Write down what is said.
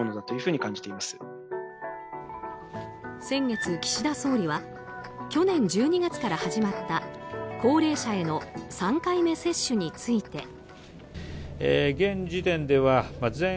先月、岸田総理は去年１２月から始まった高齢者への３回目接種について。